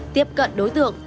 tiếp cận đối tượng